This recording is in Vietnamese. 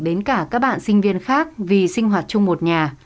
đến cả các bạn sinh viên khác vì sinh hoạt chung một nhà